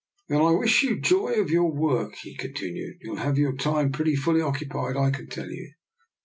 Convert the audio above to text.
" Then I wish you joy of your work," he continued. " You'll have your time pretty fully occupied, I can tell you."